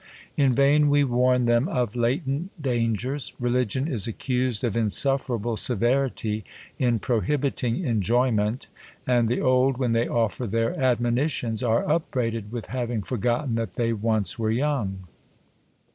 In vain we warn them oi" latent dangers. Religion is accused of insufferable severity, in prohibiting enjoy ment : and the old, when they offer their admonitions, are upbraided with having forgotten that they once were young.